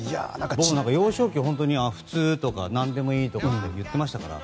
僕なんかは幼少期は普通とか何でもいいとか言っていましたから。